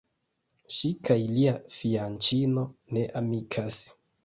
Ŝi kaj lia fianĉino ne amikas.